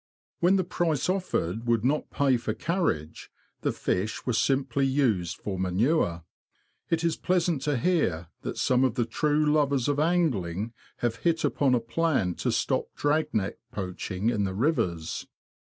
When the price offered would not pay for carriage, the fish were simply used for manure. It is pleasant to hear that some of the true lovers of angling have hit upon a plan to stop drag net poaching in the rivers.